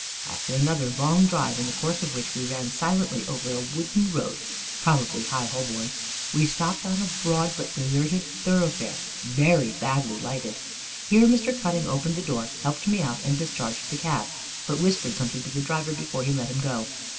After another long drive, in the course of which we ran silently over a wooden road, probably High Holborn, we stopped in a broad but deserted thoroughfare, very badly lighted. Here Mr. Cutting opened the door, helped me out, and discharged the cab, but whispered something to the driver before he let him go.